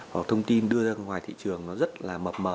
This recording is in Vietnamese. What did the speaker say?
hoặc thông tin đưa ra ngoài thị trường nó rất là mập mờ